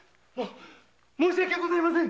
申し訳ございません。